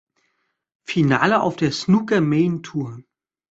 Finale auf der Snooker Main Tour.